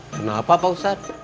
kenapa pak ustadz